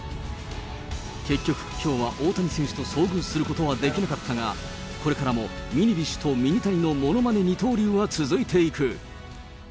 結局、きょうは大谷選手と遭遇することはできなかったが、これからもミニビッシュとミニタニのものまね二刀流は続いていく。